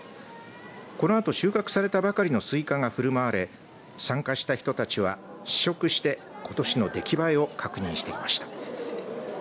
このあと収穫されたばかりのすいかがふるまわれ参加した人たちは試食してことしの出来栄えを確認していました。